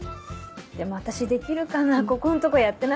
でも私できるかな